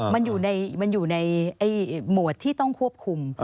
มันอยู่ในหมวดที่ต้องควบคุม